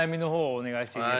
お願いします。